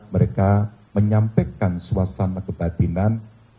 mereka menyampaikan suasana kebatinan